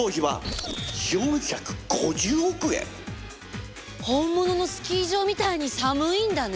ちなみに本物のスキー場みたいに寒いんだね。